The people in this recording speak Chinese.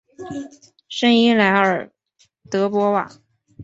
圣伊莱尔德博瓦。